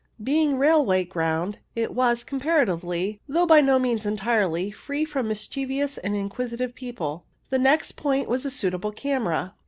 Being railway ground, it was, comparatively, though by no means entirely, free from mischievous and inquisitive people. The next point was a suitable camera.